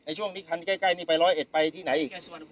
ช่วงที่คันใกล้นี่ไปร้อยเอ็ดไปที่ไหนอีก